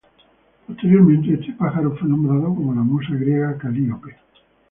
Posteriormente este pájaro fue nombrado como la musa griega Calíope.